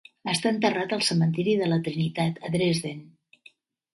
Està enterrat al Cementiri de la Trinitat a Dresden.